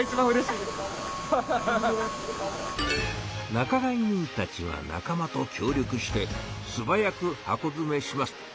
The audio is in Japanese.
仲買人たちは仲間と協力してすばやく箱づめします。